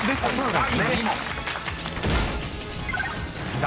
［第２問］